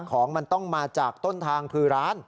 ของมันต้องมาจากต้นทางคือร้าน